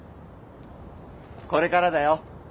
これからだよ。